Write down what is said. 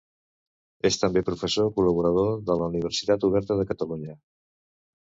És també professor col·laborador de la Universitat Oberta de Catalunya.